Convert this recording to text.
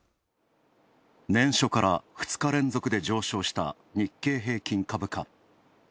年初から２日連続で上昇した日経平均株価。